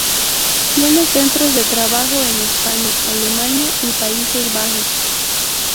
Tiene centros de trabajo en España, Alemania y Países Bajos.